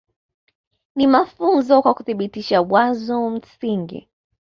Ni mafunzo kwa kuthibitisha wazo msingi